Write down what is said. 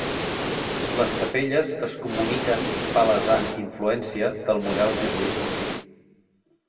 Les capelles es comuniquen palesant influència del model jesuític.